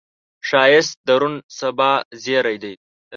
ښایست د روڼ سبا زیری دی